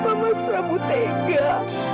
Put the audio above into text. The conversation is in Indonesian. bisa menembuhkan nama ibu